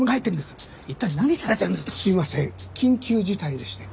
すいません緊急事態でして。